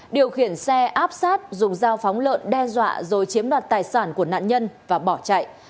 điều khiển xe áp sát dùng dao phóng lợn đe dọa rồi chiếm đoạt tài sản của nạn nhân và bỏ chạy